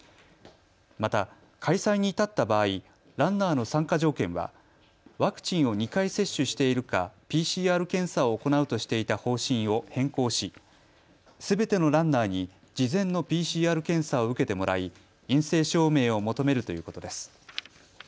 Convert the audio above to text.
また、開催に至った場合、ランナーの参加条件はワクチンを２回接種しているかＰＣＲ検査を行うとしていた方針を変更しすべてのランナーに事前のＰＣＲ検査を受けてもらい陰性証明を求めるということです。